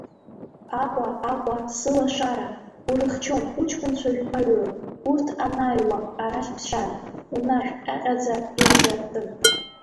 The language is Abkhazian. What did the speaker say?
Аҟәа, Аҟәа, сылашара, урыхьчон уҷкәынцәа жәпаҩы, урҭ анааиуа арахь ԥсшьара, уҩнашә ҟьаҟьаӡа ирзарты!